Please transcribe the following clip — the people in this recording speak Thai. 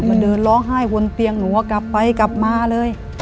มันเดินร้องไห้บนเตียงหนูว่ากลับไปกลับมาเลย